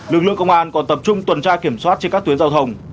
lực lượng công an còn tập trung tuần tra kiểm soát trên các tuyến giao thông